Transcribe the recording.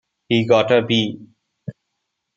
He got a B.